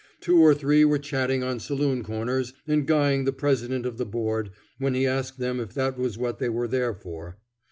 Two or three were chatting on saloon corners and guyed the President of the Board when he asked them if that was what they were there for.